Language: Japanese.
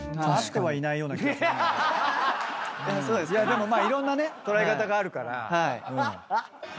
でもまあいろんなね捉え方があるから。